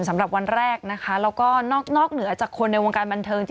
สำหรับวันแรกนะคะแล้วก็นอกเหนือจากคนในวงการบันเทิง